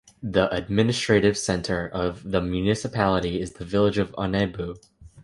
The administrative centre of the municipality is the village of Andebu.